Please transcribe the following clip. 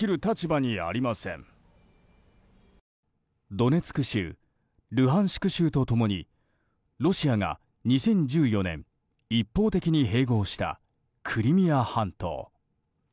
ドネツク州ルハンシク州と共にロシアが２０１４年一方的に併合したクリミア半島。